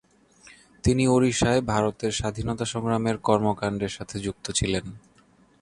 তিনি ওড়িশায় ভারতের স্বাধীনতা সংগ্রামের কর্মকান্ডের সাথে যুক্ত ছিলেন।